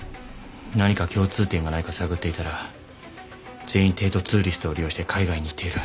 何か共通点がないか探っていたら全員帝都ツーリストを利用して海外に行っている。